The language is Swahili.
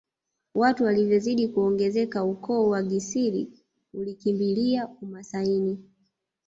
Watu walivyozidi kuongezeka ukoo wa Gisiri ulikimbilia umasaini